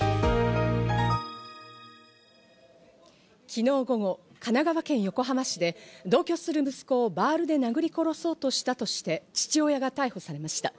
昨日午後、神奈川県横浜市で同居する息子をバールで殴り殺そうとしたとして父親が逮捕されました。